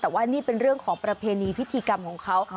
แต่ว่านี่เป็นเรื่องของประเพณีพิธีกรรมของเขา